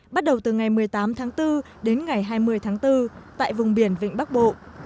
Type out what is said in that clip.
bắt đầu từ ngày một mươi tám tháng bốn đến ngày hai mươi tháng bốn tại vùng biển vịnh bắc bộ